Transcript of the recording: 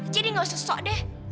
jadi gak usah sok deh